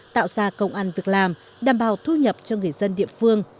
tạo ra công ăn việc làm đảm bảo thu nhập cho người dân địa phương